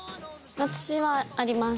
私はあります。